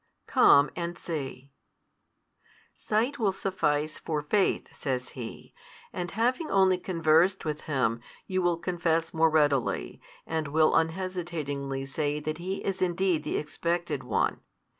Come and see. Sight will suffice for faith, says he, and having only |153 conversed with. Him you will confess more readily, and will unhesitatingly say that He is indeed the Expected One.